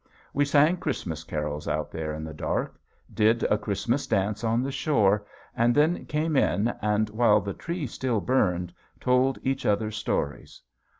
We sang Christmas carols out there in the dark, did a Christmas dance on the shore, and then came in and while the tree still burned told each other stories.